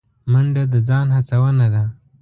منډه د ځان هڅونه ده